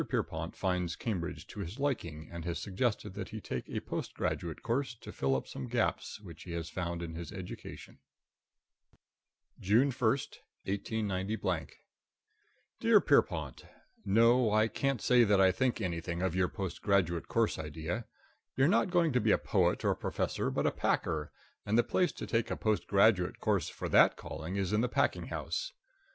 Pierrepont || finds Cambridge to his || liking, and has suggested || that he take a post graduate || course to fill up some || gaps which he has found || in his education. |++ III June 1, 189 Dear Pierrepont: No, I can't say that I think anything of your post graduate course idea. You're not going to be a poet or a professor, but a packer, and the place to take a post graduate course for that calling is in the packing house.